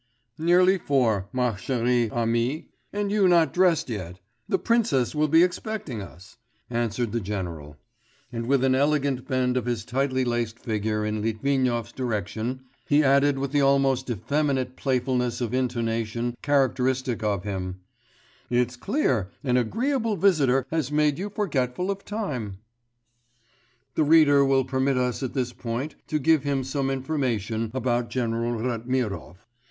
'Nearly four, ma chère amie, and you not dressed yet the princess will be expecting us,' answered the general; and with an elegant bend of his tightly laced figure in Litvinov's direction, he added with the almost effeminate playfulness of intonation characteristic of him, 'It's clear an agreeable visitor has made you forgetful of time.' The reader will permit us at this point to give him some information about General Ratmirov.